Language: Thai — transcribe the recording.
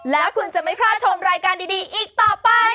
แล้วคุณจะไม่พลาดชมรายการดีอีกต่อไป